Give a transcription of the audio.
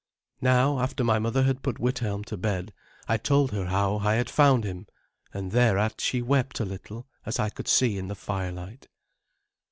Now, after my mother had put Withelm to bed, I told her how I had found him; and thereat she wept a little, as I could see in the firelight.